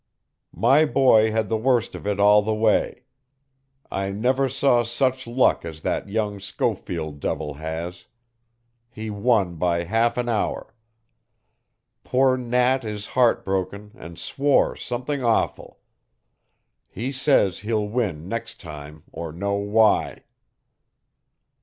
My boy had the worst of it all the way. I never saw such luck as that young Schofield devil has. He won by half an hour. Poor Nat is heartbroken and swore something awful. He says he'll win next time or know why!"